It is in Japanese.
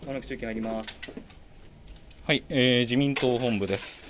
自民党本部です。